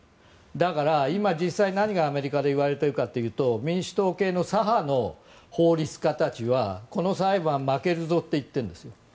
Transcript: だから、今実際にアメリカで何が言われているかというと民主党系の左派の法律家たちはこの裁判、負けるぞと言っているんです。